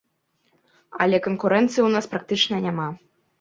Але канкурэнцыі ў нас практычна няма.